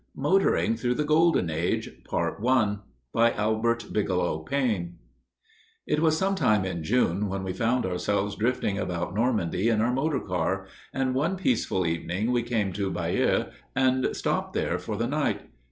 MOTORING THROUGH THE GOLDEN AGE PART I BY ALBERT BIGELOW PAINE It was some time in June when we found ourselves drifting about Normandy in our motor car, and one peaceful evening we came to Bayeux and stopped there for the night.